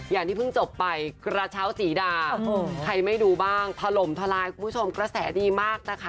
อย่างที่เพิ่งจบไปกระเช้าสีดาใครไม่ดูบ้างถล่มทลายคุณผู้ชมกระแสดีมากนะคะ